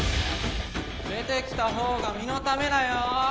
出てきた方が身のためだよ